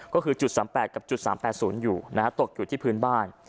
ก็คือจุด๓๘กับ๓๘๐อยู่ตกอยู่ที่พื้นบ้าน